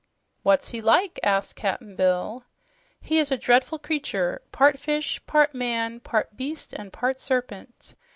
"What's he like?" asked Cap'n Bill. "He is a dreadful creature, part fish, part man, part beast and part serpent.